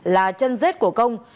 là chân rết của công